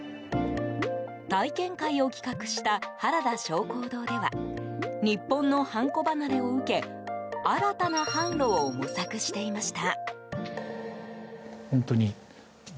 体験会を企画した原田晶光堂では日本のハンコ離れを受け新たな販路を模索していました。